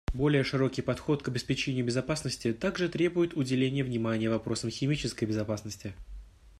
Более широкий подход к обеспечению безопасности также требует уделения внимания вопросам химической безопасности.